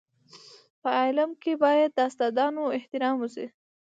په علم کي باید د استادانو احترام وسي.